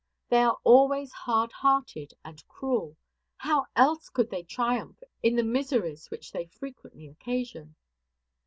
They are always hardhearted and cruel. How else could they triumph in the miseries which they frequently occasion?